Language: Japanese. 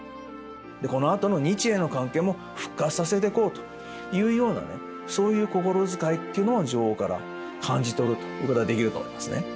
このあとの日英の関係も復活させていこうというようなねそういう心遣いっていうのを女王から感じ取るということができると思いますね。